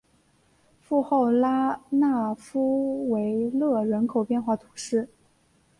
富后拉讷夫维勒人口变化图示